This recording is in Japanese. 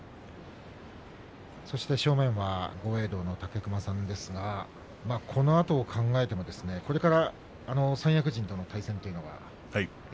そして正面は豪栄道の武隈さんですがこのあと考えてもこれから三役陣との対戦があります。